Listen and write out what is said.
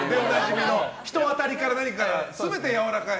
人当りから何から全てやわらかい。